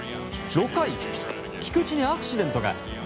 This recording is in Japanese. ６回、菊池にアクシデントが。